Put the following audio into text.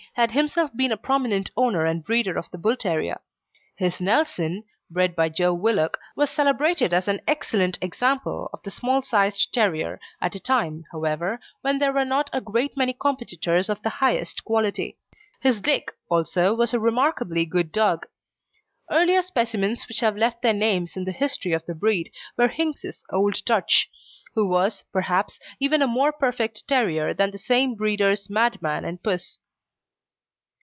had himself been a prominent owner and breeder of the Bull terrier. His Nelson, bred by Joe Willock, was celebrated as an excellent example of the small sized terrier, at a time, however, when there were not a great many competitors of the highest quality. His Dick, also, was a remarkably good dog. Earlier specimens which have left their names in the history of the breed were Hinks's Old Dutch, who was, perhaps, even a more perfect terrier than the same breeder's Madman and Puss.